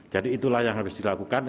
jadi itulah yang harus dilakukan